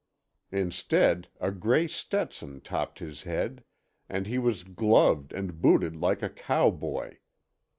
Instead, a gray Stetson topped his head, and he was gloved and booted like a cowboy.